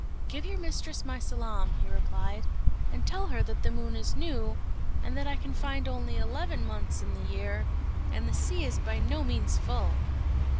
"Give your mistress my salaam," he replied, "and tell her that the moon is new, and that I can find only eleven months in the year, and the sea is by no means full."